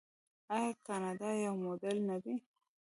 آیا کاناډا یو موډل نه دی؟